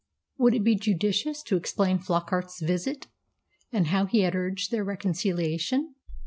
Would it be judicious to explain Flockart's visit, and how he had urged their reconciliation?